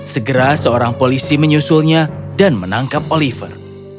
segera seorang polisi menyusulnya dan menangkap oliver